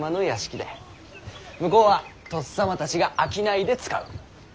向こうはとっさまたちが商いで使う。